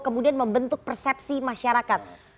kemudian membentuk persepsi masyarakat